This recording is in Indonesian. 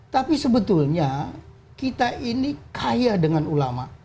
tapi sebetulnya kita ini kaya dengan ulama